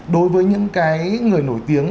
đối với những cái người nổi tiếng